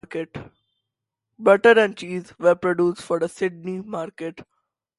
Butter and cheese were produced for the Sydney market.